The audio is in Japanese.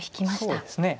そうですね。